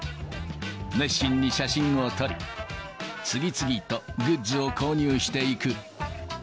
熱心に写真を撮り、次々とグッズを購入していく。